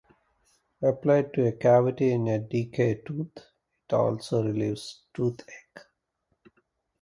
Applied to a cavity in a decayed tooth, it also relieves toothache.